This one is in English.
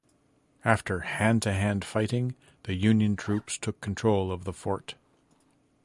After hand-to-hand fighting, the Union troops took control of the fort.